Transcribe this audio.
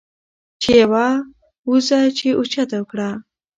چې يوه وروځه یې اوچته کړه